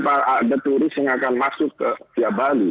ada turis yang akan masuk ke tiap bali